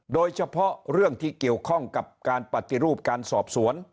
โดยเฉพาะเรื่องที่เกี่ยวข้องกับการปฏิรูปการสอบสวน